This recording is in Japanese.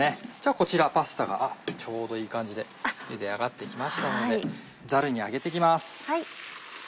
こちらパスタがあっちょうどいい感じでゆで上がって来ましたのでザルに上げて行きます。